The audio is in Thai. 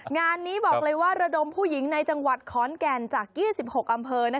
งานนี้บอกเลยว่าระดมผู้หญิงในจังหวัดขอนแก่นจาก๒๖อำเภอ